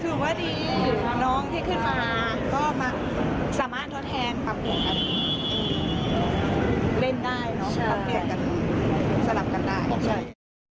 ถือว่าดีน้องที่ขึ้นมาก็สามารถทดแทนปรับผลครับเล่นได้นะครับสลับกันได้